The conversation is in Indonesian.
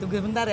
tunggu bentar ya